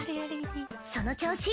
その調子。